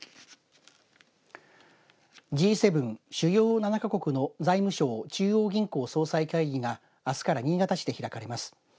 Ｇ７、主要７か国の財務相・中央銀行総裁会議があすから新潟市で開かれます。